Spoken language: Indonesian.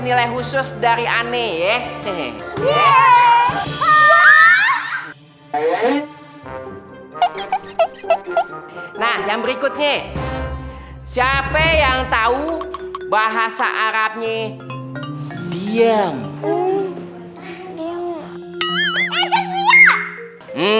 kele khusus dari aneh nah yang berikutnya siapa yang tahu bahasa arabnya diam diam